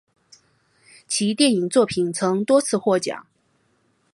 其电影作品曾多次获奖。